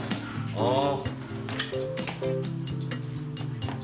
ああ。